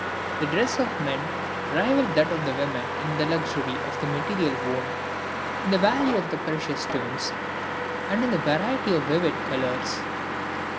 The dress of the men rivaled that of the women in the luxury of the material worn, in the value of the precious stones, and in the variety of vivid colors.